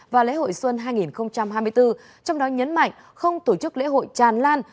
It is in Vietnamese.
và lễ hội xuân hai nghìn hai mươi bốn trong đó nhấn mạnh không tổ chức lễ hội tràn lan